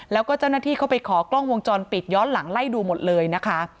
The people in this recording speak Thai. แล้วก็เจ้าหน้าที่เข้าไปขอกล้องวงจรปิดย้อนหลังไล่ดูหมดเลยนะคะ